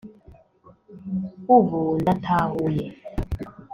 ubu ndatahuye